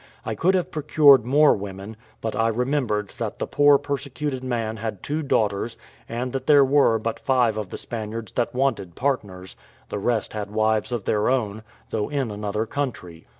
I could have procured more women, but I remembered that the poor persecuted man had two daughters, and that there were but five of the Spaniards that wanted partners; the rest had wives of their own, though in another country.